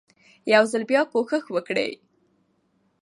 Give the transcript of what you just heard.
يو ځل بيا کوښښ وکړئ